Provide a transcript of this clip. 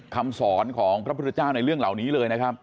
คำสอนของพระพุทธเจ้าในเรื่องเหล่านี้เลยนะครับ